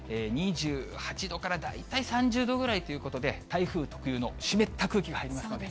２８度から大体３０度ぐらいということで、台風特有の湿った空気が入りますね。